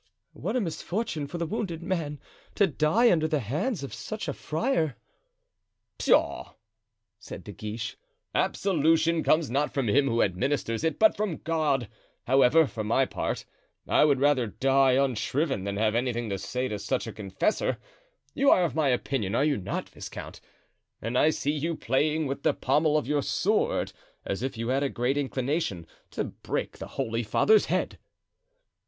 "What a misfortune for the wounded man to die under the hands of such a friar!" "Pshaw!" said De Guiche. "Absolution comes not from him who administers it, but from God. However, for my part, I would rather die unshriven than have anything to say to such a confessor. You are of my opinion, are you not, viscount? and I see you playing with the pommel of your sword, as if you had a great inclination to break the holy father's head."